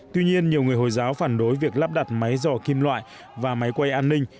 tuy nhiên nhiều người hồi giáo phản đối việc lắp đặt máy dò kim loại và máy quay an ninh